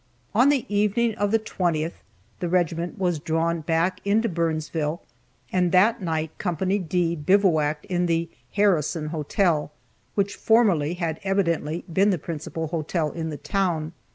On the evening of the 20th the regiment was drawn back into Burnsville, and that night Co. D bivouacked in the "Harrison Hotel," which formerly had evidently been the principal hotel in the town.